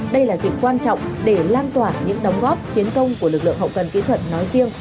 đây là dịp quan trọng để lan tỏa những đóng góp chiến công của lực lượng hậu cần kỹ thuật nói riêng